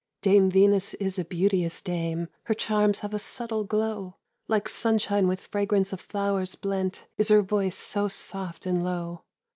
"Dame Venus is a beauteous dame, Her charms have a subtle glow. Like sunshine with fragrance of flowers blent Is her voice so soft and low.